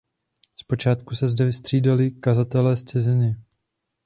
Zpočátku se zde střídali kazatelé z ciziny.